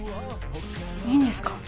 いいんですか？